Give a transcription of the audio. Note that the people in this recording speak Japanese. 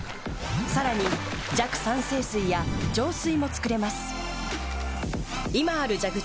さらに弱酸性水や浄水も作れます。